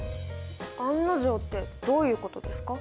案の定ってどういうことですか？